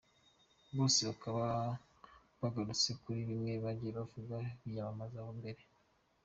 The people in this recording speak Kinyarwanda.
Bose bakaba bagarutse kuri bimwe bagiye bavuga biyamamaza mbere.